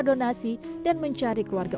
donasi dan mencari keluarga